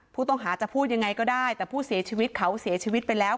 ผู้ต้องหาจะพูดยังไงก็ได้แต่ผู้เสียชีวิตเขาเสียชีวิตไปแล้ว